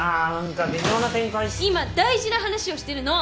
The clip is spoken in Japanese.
今大事な話をしてるの！